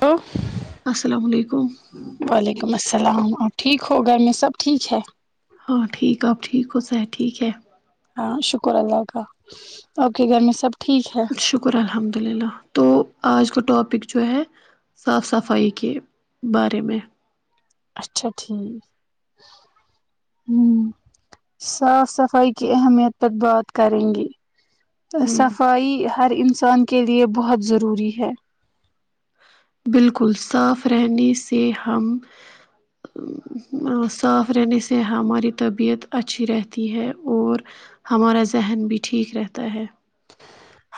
تو السلام علیکم وعلیکم السلام آپ ٹھیک ہو گھر میں سب ٹھیک ہے ہاں ٹھیک آپ ٹھیک ہو صحت ٹھیک ہے ہاں شکر اللہ کا آپ کےگھر میں سب ٹھیک ہے شکر الحمد للہ تو آج کا ٹاپک جو ہے صاف صفائی کے بارے میں اچھا ٹھیک ہمم صاف صفائی کی اہمیت پر بات کریں گی ہوں، صفائی ہر انسان کے لیے بہت ضروری ہے بالکل صاف رہنے سے ہم صاف رہنے سے ہماری طبیعت اچھی رہتی ہے اور ہمارا ذہن بھی ٹھیک رہتا ہے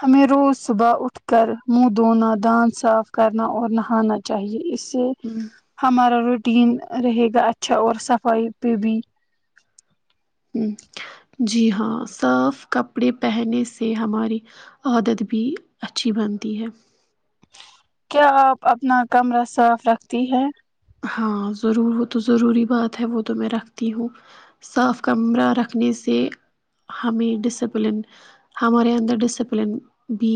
ہمیں روز صبح اٹھ کر منہ دھونا دانت صاف کرنا اور نہانا چاہیے اس سے ہوں ہمارا روٹین رہے گا اچھا اور صفائی پہ بھی ہ جی ہاں صاف کپڑے پہنے سے ہماری عادت بھی اچھی بنتی ہے کیا آپ اپنا کمرہ صاف رکھتی ہے ہاں ضرور وہ تو ضروری بات ہے وہ تو میں رکھتی ہوں صاف کمرہ رکھنے سے ہمیں ڈسپلن ہمارے اندر ڈسپلن بھی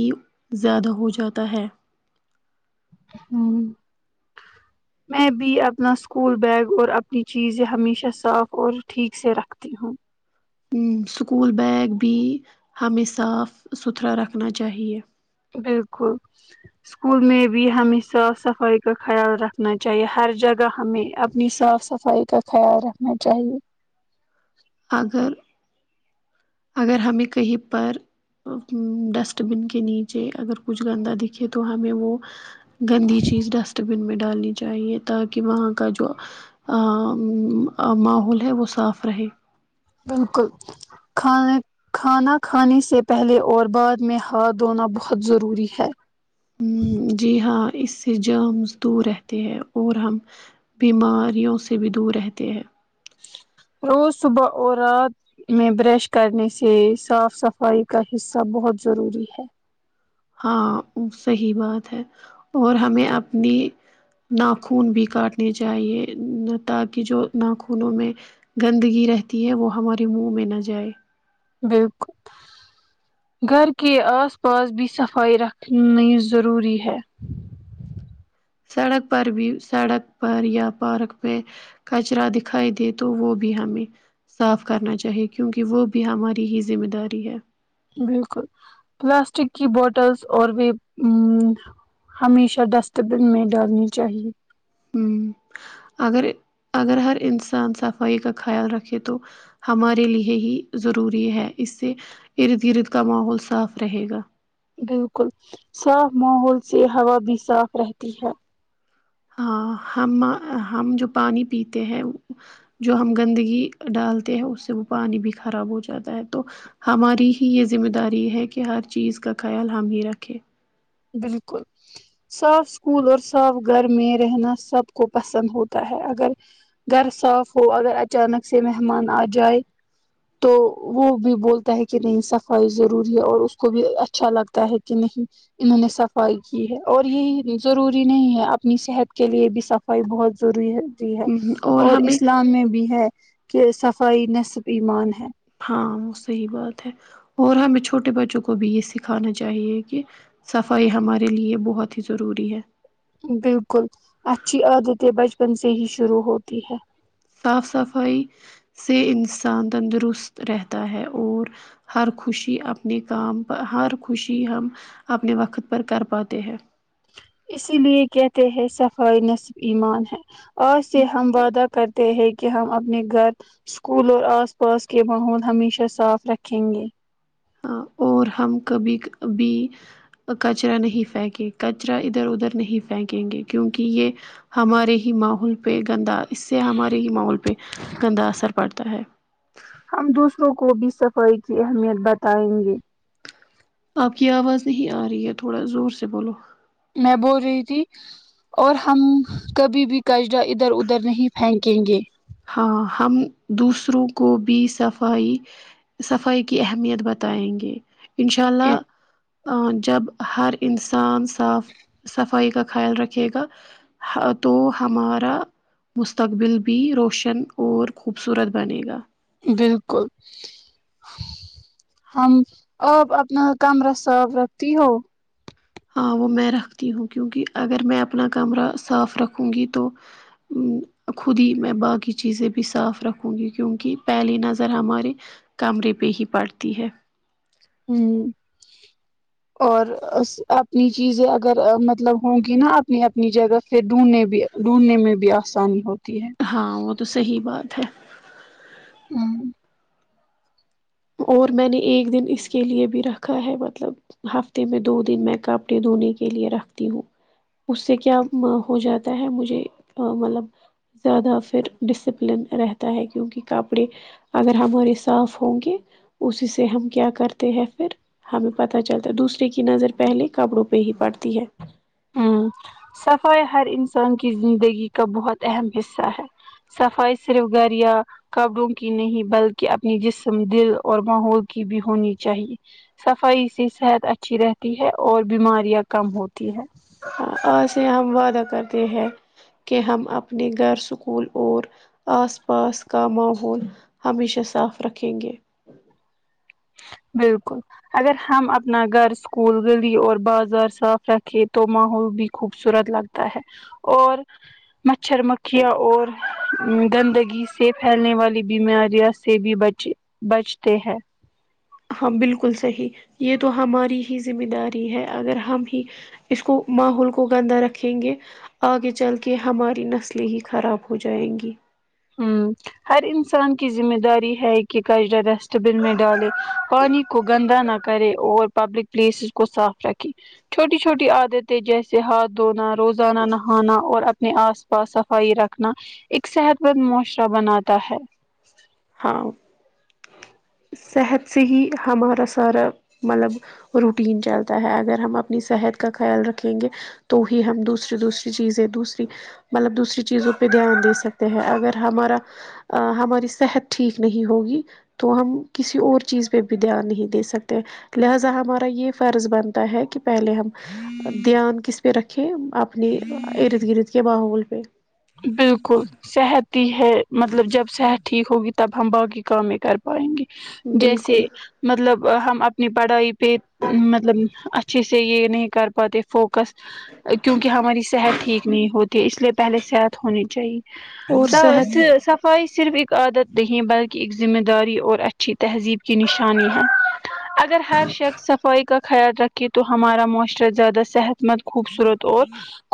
زیادہ ہو جاتا ہے ہمم میں بھی اپنا اسکول بیگ اور اپنی چیزیں ہمیشہ صاف اور ٹھیک سے رکھتی ہوں ہمم اسکول بیگ بھی ہمیں صاف سترا رکھنا چاہیے بالکل اسکول میں بھی ہمیں صاف صفائی کا خیال رکھنا چاہیے ہر جگہ ہمیں اپنی صاف صفائی کا خیال رکھنا چاہیے اگر اگر ہمیں کہیں پر ڈسٹ بن کے نیچے اگر کچھ گندا دکھے تو ہمیں وہ گندی چیز ڈسٹ بین میں ڈال لی چاہیے تاکہ وہاں کا جو ماحول ہے وہ صاف رہے بالکل کھانے کھانا کھانے سے پہلے اور بعد میں ہاتھ دھونا بہت ضروری ہے جی ہاں اس سے جامز دور رہتے ہے اور ہم بیماریوں سے بھی دور رہتے ہے روز صبح اور رات میں برش کرنے سے صاف صفائی کا حصہ بہت ضروری ہے ہاں صحیح بات ہے اور ہمیں اپنی ناخون بھی کاٹنے چاہیے تاکی جو ناخونوں میں گندگی رہتی ہے وہ ہمارے منہ میں نہ جائے بالکل گھر کے آس پاس بھی صفائی رکھنی ضروری ہے سڑک پر بھی سڑک پر یا پارک پہ کچرا دکھائی دے تو وہ بھی ہمیں صاف کرنا چاہیے کیونکہ وہ بھی ہماری ہی ذمہ داری ہے بالکل پلاسٹک کی بوٹلس اور وہ آمم ہمیشہ ڈسٹ بن میں ڈالنی چاہیے آمم اگر اگر ہر انسان صفائی کا خیال رکھے تو ہمارے لیے ہی ضروری ہے اس سے ارد گرد کا ماحول صاف رہے گا بالکل صاف ماحول سے ہوا بھی صاف رہتی ہے ہاں ہم آ ہم جو پانی پیتے ہیں جو ہم گندگی ڈالتے ہیں اس سے وہ پانی بھی خراب ہو جاتا ہے تو ہماری ہی یے ذمہ داری ہے کہ ہر چیز کا خیال ہم ہی رکھیں بالکل صاف اسکول اور صاف گھر میں رہنا سب کو پسند ہوتا ہے اگر گھر صاف ہو اگر اچانک سے مہمان آ جائے تو وہ بھی بولتا ہے کی نہیں صفائی ضروری ہے اور اس کو بھی اچھا لگتا ہے کی نہیں انہوں نے صفائی کی ہے اور یہی ضروری نہیں ہے اپنی صحت کے لیے بھی صفائی بہت ضروری ہے تی ہے اور اسلام میں بھی ہے کے صفائی نصف ایمان ہے ہاں وہ صحیح بات ہے اور ہمیں چھوٹے بچوں کو بھی یے سیکھانا چاہیے کے صفائی ہمارے لیے بہت ہی ضروری ہے بالکل اچھی عادتیں بچپن سے ہی شروع ہوتی ہے صاف صفائی سے انسان تندرست رہتا ہے اور ہر خوشی اپنے کام پر ہر خوشی ہم اپنے وقت پر کر پاتے ہیں اسی لیے کہتے ہیں صفائی نصب ایمان ہے آج سے ہم وعدہ کرتے تےہے کی ہم اپنے گھر اسکول اور آس پاس کے ماحول ہمیشہ صاف رکھیں گے ہ اور ہم کبھی کبھی کچرا نہیں فینکے کچرا ادھر اودھر نہیں فینکیں گے کیونکی یے ہمارے ہی ماحول پے گندا اس سے ہمارے ہی ماحول پے گندا اثر پڑتا ہے ہم دوسروں کو بھی صفائی کی اہمیت بتائیں گے تو آپ کی آواز نہیں آ رہی ہے تھوڑا زور سے بولو میں بول رہی تھی اور ہم کبھی بھی کچرا ادھر اودھر نہیں پھینکیں گے ہاں ہم دوسروں کو بھی صفائی صفائی کی اہمیت بتائیں گے انشاء اللہ جب ہر انسان صاف صفائی کا خیال رکھے گا ہ تو ہمارا مستقبل بھی روشن ن اور خوبصورت بنے گا بالکل ہم آپ اپنا کمرہ صاف رکھتی ہو ہاں وہ میں رکھتی ہوں کیونکہ اگر میں اپنا کمرہ صاف رکھوں گی تو خود ہی میں باقی چیزیں بھی صاف رکھوں گی کیونکہ پہلی نظر ہمارے کمرے پہ ہی پڑتی ہے ھم اور اس اپنی چیزیں اگر مطلب ہووںگی نا اپنی اپنی جگہ پھر ڈھونڈنے بھی ڈھونڈ نے میں بھی آسانی ہوتی ہے ہاں وہ تو صحیح بات ہے ہاں اور میں نے ایک دن اس کے لیے بھی رکھا ہے مطلب ہفتے میں دو دن میں کپڑے دھونے کے لیے رکھتی ہوں اس سے کیا ہو جاتا ہے مجھے ا ملب زیادہ پھر ڈسپلن رہتا ہے کیونکہ کپڑے اگر ہمارے صاف ہوں گے اسی سے ہم کیا کرتے ہیں پھر ہمیں پتا چلتا ہے دوسرے کی نظر پہلے کپڑوں پہ ہی پڑتی ہے ہ صفائی ہر انسان کی زندگی کا بہت اہم حصہ ہے صفائی صرف گھریا کپڑوں کی نہیں بلکہ اپنی جسم دل اور ماحول کی بھی ہونی چاہیے صفائی سے صحت اچھی رہتی ہے اور بیماریاں کم ہوتی ہے اج سے ہم وعدہ کرتے ہیں کہ ہم اپنے گھر سکول اور آس پاس کا ماحول ہمیشہ صاف رکھیں گے بالکل اگر ہم اپنا گھر اسکول گلی اور بازار صاف رکھے تو ماحول بھی خوبصورت لگ تا ہے اور مچھر مکھیا اور گندگی سے پھیلنے والی بیماریاں سے بھی بچے بچتے ہیں ہاں بالکل صحیح یہ تو ہماری ہی ذمہ داری ہے اگر ہم ہی اس کو ماحول کو گندہ رکھیں گے آگے چل کے ہماری نسلیں ہی خراب ہو جائیں گی ہوں ہر انسان کی ذمہ داری ہے کہ کچرا ڈسٹ بن میں ڈالے پانی کو گندا نہ کرے اور پبلک پلیسز کو صاف رکھے چھوٹی چھوٹی عادتیں جیسے ہاتھ دھونا روز انا نہانا اور اپنے آس پاس صفائی رکھنا ایک صحت بد معاشرہ بناتا ہے ہاں صحت سے ہی ہمارا سارا ملب روٹین چلتا ہے اگر ہم اپنی صحت کا خیال رکھیں گے تو ہی ہم دوسری دوسری چیزیں دوسری ملب دوسری چیزوں پہ دھیان دے سکتے ہیں اگر ہمارا ہماری صحت ٹھیک نہیں ہوگی تو ہم کسی اور چیز پہ بھی دھیان نہیں دے سکتے لہذا ہمارا یہ فرض بنتا ہے کہ پہلے ہم دھیان کس پہ رکھے اپنے ارد گرد کے باحول پہ بالکل صحت ہی ہے مطلب جب صحت ٹھیک ہوگی تب ہم باقی کامےکر پائیں گے جیسے بالکل مطلب ہم اپنی پڑھائی پہ مطلب اچھے سے یہ نہیں کر پاتے فوکس کیونکہ ہماری صحت ٹھیک نہیں ہوتی ہے اس لیے پہلے صحت ہونی چاہی اور سب صحت سب خاہش صرف ایک عادت نہیں بلکہ ایک ذمہ داری اور اچھی تہذیب کی نشانی ہے اگر ہر شخص صفائی کا خیال رکھے تو ہمارا معاشرہ زیادہ صحت بہت خوبصورت اور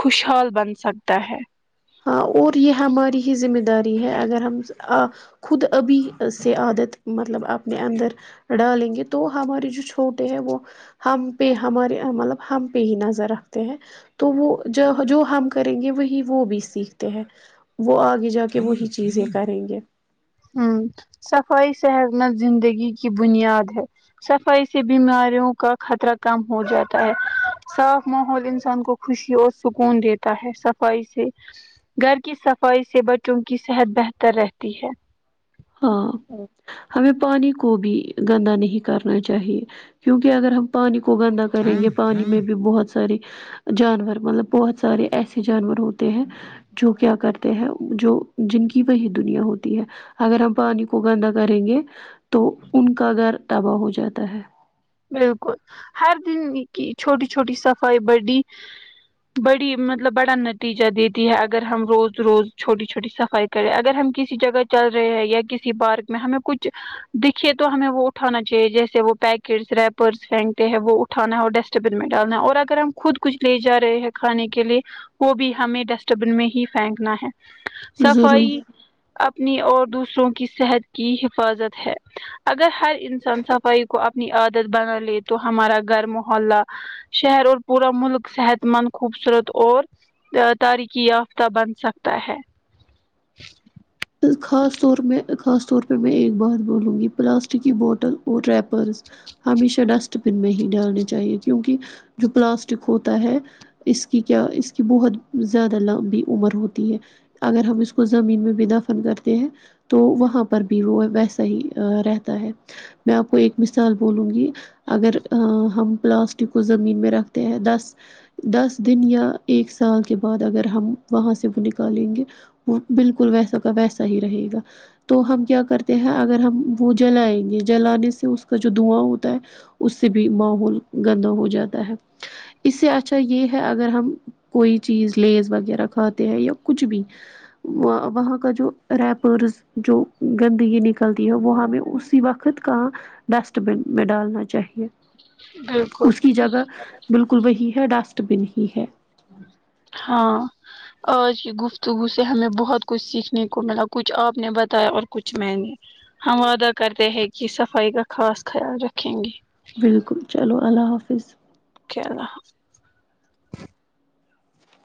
خوشحال بن سکتا ہے ہاں اور یہ ہماری ہی ذمہ داری ہے اگر ہم ا خود ابھی سے عادت مطلب اپنے اندر ڈالیں گے تو ہمارے جو چھوٹے ہیں وہ ہم پہ ہمارے ملب ہم پہ ہی نظر رکھتے ہیں تو وہ جو ہم کریں گے وہی وہ بھی سیکھتے ہیں وہ آگے جا کے وہی چیزیں کریں گے همم صفائی صحت مند زندگی کی بنیاد ہے صفائی سے بیماریوں کا خطرہ کم ہو جاتا ہے صاف ماحول انسان کو خوشی اور سکون دیتا ہے صفائی سے گھر کی صفائی سے بچوں کی صحت بہتر رہتی ہے ہاں او ہمیں پانی کو بھی گندا نہیں کرنا چاہیے کیونکہ اگر ہم پانی کو گندا کریں گے پانی میں بھی بہت ساری جانور مطلب بہت سارے ایسے جانور ہوتے ہیں جو کیا کرتے ہیں جو جن کی وہی دنیا ہوتی ہے اگر ہم پانی کو گندا کریں گے تو ان کا گھر تباہ ہو جاتا ہے بالکل ہر دن کی چھوٹی چھوٹی صفائی بڑی بڑی مطلب بڑا نتیجہ دیتی ہے اگر ہم روز روز چھوٹی چھوٹی صفائی کرے اگر ہم کسی جگہ چل رہے ہیں یا کسی پارک میں ہمیں کچھ دکھے تو ہمیں وہ اٹھانا چاہیے جیسے وہ پیک کٹس رپپیرس پھینگتے ہیں وہ اٹھانا ہے اور ڈسٹ بن میں ڈالنا ہے اور اگر ہم خود کچھ لے جا رہے ہیں کھانے کے لیے وہ بھی ہمیں ڈسٹ بن میں ہی پھیکنا ہے ضرور صفائی اپنی اور دوسروں کی صحت کی حفاظت ہے اگر ہر انسان صفائی کو اپنی عادت بنا لے تو ہمارا گھر موحلہ شہر اور پورا ملک صحت مند خوبصورت اور تاریخی یافتہ بن سکتا ہے خاص طور میں خاص طور پہ میں ایک بات بولوں گی پلاسٹک کی بوٹل اور ریپ پرس ہمیشہ ڈسٹ بن میں ہی ڈالنی چاہیے کیونکی جو پلاسٹک ہوتا ہے اس کی کیا اس کی بہت زیادہ لمبی عمر ہوتی ہے اگر ہم اس کو زمین میں بھی دفن کر تے ہیں تو وہاں پر بھی وہ ویسا ہی رہتا ہے میں آپ کو ایک مثال بولوں گی اگر ہم پلاسٹک کو زمین میں رکھتے ہیں دس دس دن یا ایک سال کے بعد اگر ہم وہاں سے وہ نکالیں گے وہ بالکل ویسا کا ویسا ہی رہے گا تو ہم کیا کرتے ہیں اگر ہم وہ جلائیں گے جلانے سے اس کا جو دھواں ہوتا ہے اس سے بھی ماحول گندا ہو جاتا ہے اس سے اچھا یہ ہے اگر ہم کوئی چیز لیز وغیرہ کھاتے ہیں یا کچھ بھی وہاں کا جو ریپرز جو گندگی نکلتی ہے وہ ہمیں اسی وقت کا ڈسٹ بین میں ڈالنا چاہیے بالکل اس کی جگہ بالکل وہی ہے ڈسٹ بن ہی ہے ہاں آج کی گفتگو سے ہمیں بہت کچھ سیکھنے کو ملا کچھ آ پ نے بتایا اور کچھ میں نے ہم وعدہ کرتے ہیں کی صفائی کا خاص خیال رکھیں گے بالکل چلو اللہ حافظ اوکے اللہ حفظ